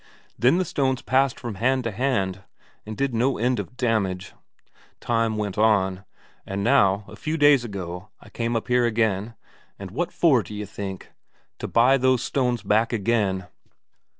Then the stones passed from hand to hand, and did no end of damage. Time went on. And now, a few days ago, I came up here again, and what for, d'you think? To buy those stones back again!"